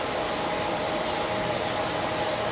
ต้องเติมเนี่ย